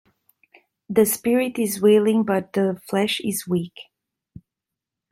The spirit is willing but the flesh is weak.